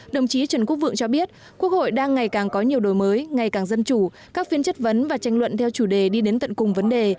đồng chí trần quốc vượng cho biết quốc hội đang ngày càng có nhiều đổi mới ngày càng dân chủ các phiên chất vấn và tranh luận theo chủ đề đi đến tận cùng vấn đề